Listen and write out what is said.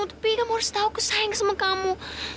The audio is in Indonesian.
tapi kamu harus tahu aku sayang sama kamu